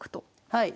はい。